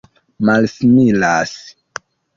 malsimilas